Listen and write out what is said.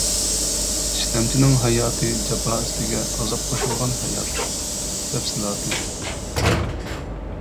ئىشلەمچىنىڭ ھاياتى جاپا ئۈستىگە ئازاب قوشۇلغان ھايات. تەپسىلاتى.